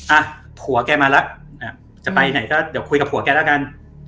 อ่ะผัวแกมาแล้วจะไปไหนก็เดี๋ยวคุยกับผัวแกแล้วกัน